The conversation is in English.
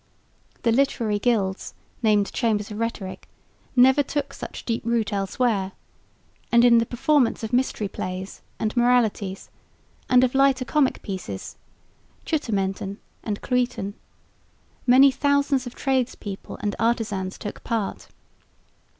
The literary gilds, named Chambers of Rhetoric, never took such deep root elsewhere; and in the performance of Mystery Plays and Moralities and of lighter comic pieces (chuttementen and cluyten) many thousands of tradespeople and artisans took part.